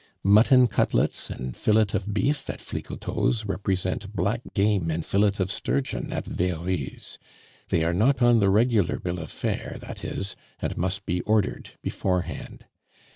Mutton cutlets and fillet of beef at Flicoteaux's represent black game and fillet of sturgeon at Very's; they are not on the regular bill of fare, that is, and must be ordered beforehand.